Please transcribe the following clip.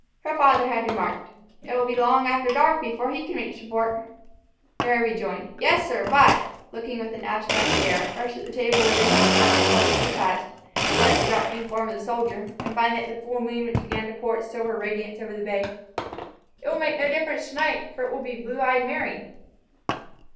Her father had remarked, "It will be long after dark before he can reach the Fort." Mary rejoined, "Yes, sir, but," looking with an abstracted air, first at the table where they had enjoyed their pleasant repast, then at the darkening form of the soldier, and finally at the full moon which began to pour its silver radiance over the bay, "it will make no difference tonight, for it will be blue eyed Mary."